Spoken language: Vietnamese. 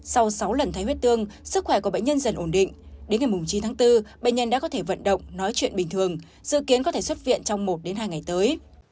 sau sáu lần thấy huyết tương sức khỏe của bệnh nhân dần ổn định đến ngày chín tháng bốn bệnh nhân đã có thể vận động nói chuyện bình thường dự kiến có thể xuất viện trong một hai ngày tới